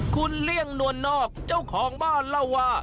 คุณเลี่ยงนวลนอกเจ้าของบ้านเล่าว่า